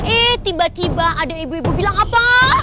eh tiba tiba ada ibu ibu bilang apa